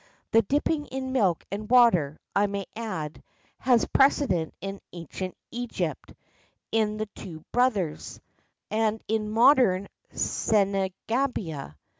The dipping in milk and water, I may add, has precedent in ancient Egypt (in The Two Brothers), and in modern Senegambia.